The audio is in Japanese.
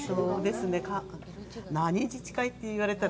何に近いと言われたら。